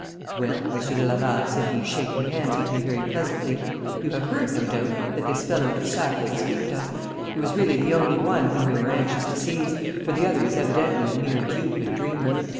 'Well, Monsieur de Laval,' said he, shaking hands with me very pleasantly, 'you have heard, no doubt, that this fellow Toussac has escaped us. He was really the only one whom we were anxious to seize, for the other is evidently a mere dupe and dreamer.